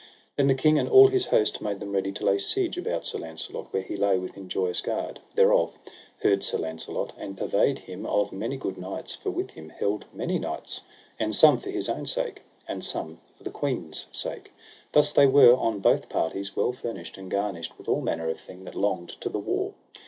Then the king and all his host made them ready to lay siege about Sir Launcelot, where he lay within Joyous Gard. Thereof heard Sir Launcelot, and purveyed him of many good knights, for with him held many knights; and some for his own sake, and some for the queen's sake. Thus they were on both parties well furnished and garnished of all manner of thing that longed to the war.